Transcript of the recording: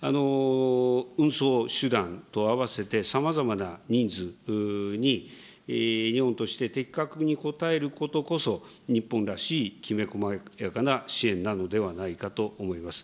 運送手段と合わせて、さまざまなニーズに日本として的確に応えることこそ、日本らしいきめこまやかな支援なのではないかと思います。